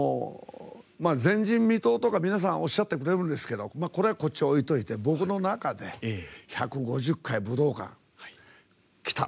前人未到とか皆さんおっしゃってくれるんですけどこれは、こっちに置いておいて僕の中で１５０回、武道館きた！